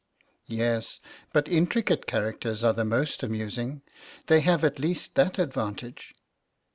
'Yes, but intricate characters are the most amusing. They have at least that advantage.'